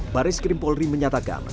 baris krimpolri menyatakan